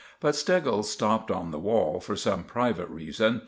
But Steggles stopped on the wall, for some private reason.